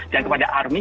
dan kepada army